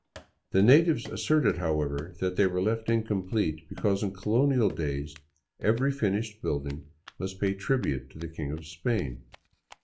The natives asserted, however, that they were left incomplete because in colonial days every finished building must pay tribute to the King of Spain.